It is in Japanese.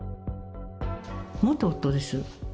元夫です。